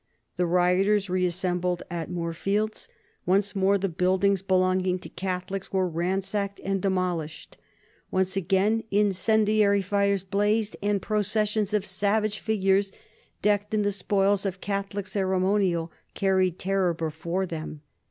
The rioters reassembled at Moorfields. Once again the buildings belonging to Catholics were ransacked and demolished; once again incendiary fires blazed, and processions of savage figures decked in the spoils of Catholic ceremonial carried terror before them.